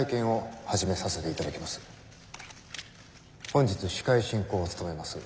本日司会進行を務めます